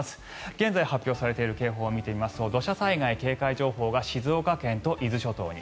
現在、発表されている警報を見てみますと土砂災害警戒情報が静岡県と伊豆諸島に。